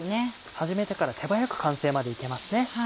始めてから手早く完成まで行けますね。